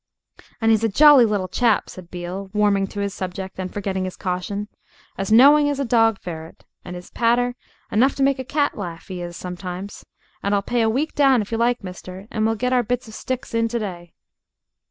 "And 'e's a jolly little chap," said Beale, warming to his subject and forgetting his caution, "as knowing as a dog ferret; and his patter enough to make a cat laugh, 'e is sometimes. And I'll pay a week down if you like, mister and we'll get our bits of sticks in to day."